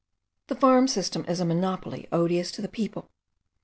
The farm system is a monopoly odious to the people.